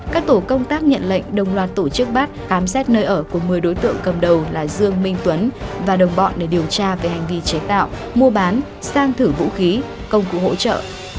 các tổ công tác nhận lệnh đồng loạt tổ chức bắt khám xét nơi ở của một mươi đối tượng cầm đầu là dương minh tuấn và đồng bọn để điều tra về hành vi chế tạo mua bán sang thử vũ khí công cụ hỗ trợ